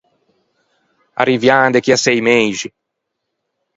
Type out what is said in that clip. Arrivian de chì à sei meixi.